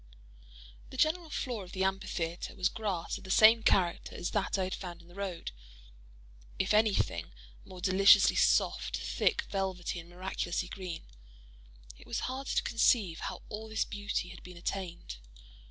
The general floor of the amphitheatre was grass of the same character as that I had found in the road; if anything, more deliciously soft, thick, velvety, and miraculously green. It was hard to conceive how all this beauty had been attained.